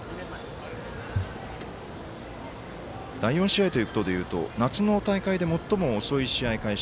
第４試合ということでいうと夏の大会で、最も遅い試合開始